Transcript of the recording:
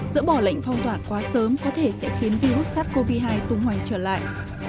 dỡ bỏ lệnh phong tỏa quá sớm có thể sẽ khiến virus sars cov hai tung hoành trở lại